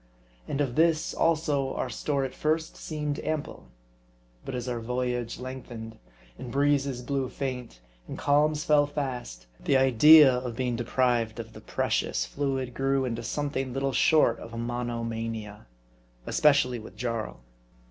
And of this, also, our store at first seemed ample. But as our voyage lengthened, and breezes blew faint, and calms fell fast, the idea of being deprived of the 60 MARDI. precious fluid grew into something little short of a mono mania ; especially with Jarl.